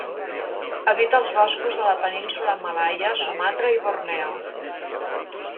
Habita els boscos de la Península Malaia, Sumatra i Borneo.